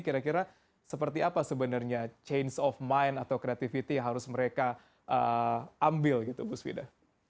kira kira seperti apa sebenarnya change of mind atau creativity yang harus mereka ambil gitu bu svida